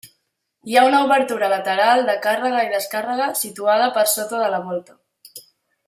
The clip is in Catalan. Hi ha una obertura lateral de càrrega i descàrrega, situada per sota de la volta.